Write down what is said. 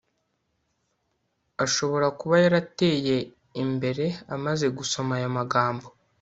ashobora kuba yarateye imbere amaze gusoma ayo magambo